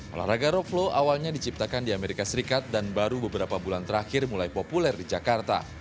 olahraga rope flow awalnya diciptakan di amerika serikat dan baru beberapa bulan terakhir mulai populer di jakarta